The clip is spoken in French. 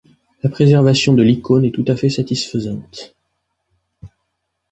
La préservation de l'icône est tout à fait satisfaisante.